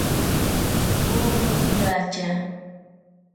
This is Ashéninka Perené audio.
Woro iracha.